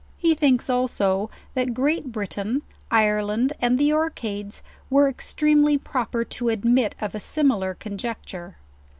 He thinks also, that Great iiritain, Ireland, and the Orcades were extremely proper to admit of a similar conjecture.